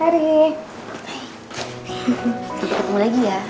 sampai ketemu lagi ya